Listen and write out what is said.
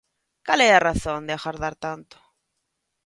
Cal é a razón de agardar tanto?